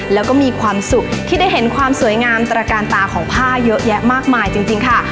แล้วก็มีความสุขที่ได้เห็นความสวยงามตระการตาของผ้าเยอะแยะมากมายจริงค่ะ